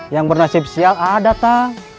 yang bernasib sial ada tah